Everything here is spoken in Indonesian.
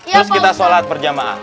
terus kita sholat perjamaah